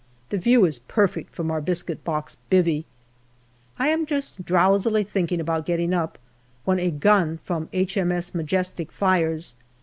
The view is perfect from our biscuit box " bivvy/' I am just drowsily thinking about getting up, when a gun from H.M.S. Majestic fires.